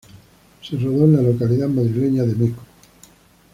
Se rodó en la localidad madrileña de Meco.